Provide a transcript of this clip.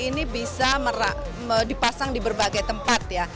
ini bisa dipasang di berbagai tempat ya